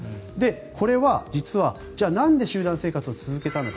これは実は、じゃあなんで集団生活を続けたのか。